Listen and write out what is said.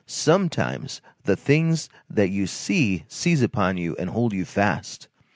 Sometimes, the things that you see seize upon you and hold you fast.